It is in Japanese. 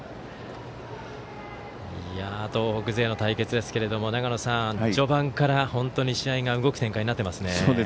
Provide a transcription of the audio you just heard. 東北勢の対決ですけども長野さん序盤から本当に試合が動く展開になっていますね。